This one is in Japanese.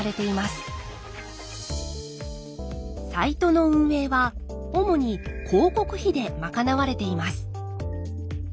サイトの運営は主に広告費で賄われています。